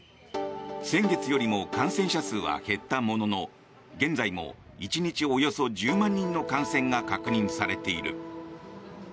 先月よりも感染者数は減ったものの現在も１日およそ１０万人の感染が確認されている。